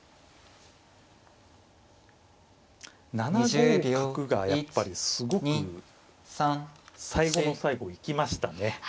７五角がやっぱりすごく最後の最後生きましたね。